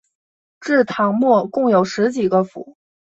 至唐末共有十几个府。